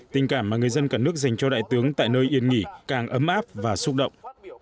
tình cảm mà người dân cả nước dành cho đại tướng tại nơi yên nghỉ càng ấm áp và xúc động